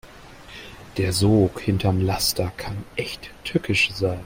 Der Sog hinterm Laster kann echt tückisch sein.